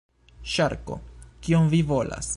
Ŝarko: "Kion vi volas?"